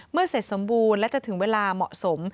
เสร็จสมบูรณ์และจะถึงเวลาเหมาะสม